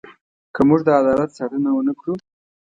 که موږ د عدالت ساتنه ونه کړو.